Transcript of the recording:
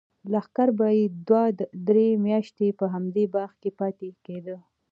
لښکر به یې دوه درې میاشتې په همدې باغ کې پاتې کېده.